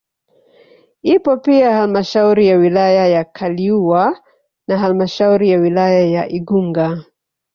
Ipo pia halmashauri ya wilaya ya Kaliua na halmashauri ya wilaya ya Igunga